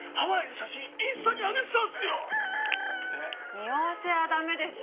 におわせは駄目でしょ。